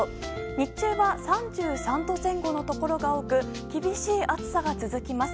日中は３３度前後のところが多く厳しい暑さが続きます。